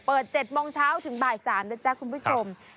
๗โมงเช้าถึงบ่าย๓นะจ๊ะคุณผู้ชม